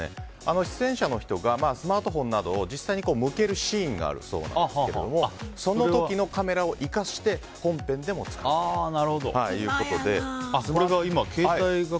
出演者の人がスマートフォンなどを実際に向けるシーンがあるそうなんですけれどもその時のカメラを生かして本編でも使っているということで。